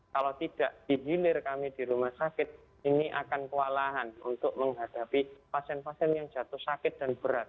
kalau tidak dihilir kami di rumah sakit ini akan kewalahan untuk menghadapi pasien pasien yang jatuh sakit dan berat